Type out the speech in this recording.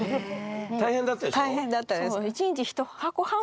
大変だったでしょ？